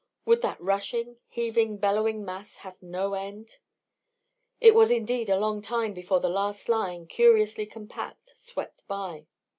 Would that rushing, heaving, bellowing mass have no end? It was indeed a long time before the last line, curiously compact, swept by.